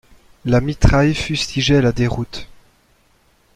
La mitraille fustigeait la déroute.